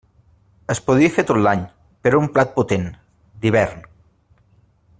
Es podia fer tot l'any, però era un plat potent, d'hivern.